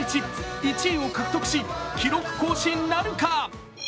１位を獲得し、記録更新なるか。